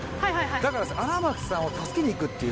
だから荒牧さんを助けに行くっていう。